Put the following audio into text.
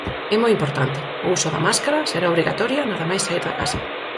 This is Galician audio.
E moi importante: o uso da máscara, será obrigatoria nada máis saír da casa.